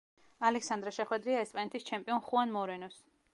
ალექსანდრე შეხვედრია ესპანეთის ჩემპიონ ხუან მორენოს.